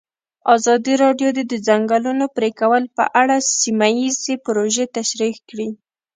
ازادي راډیو د د ځنګلونو پرېکول په اړه سیمه ییزې پروژې تشریح کړې.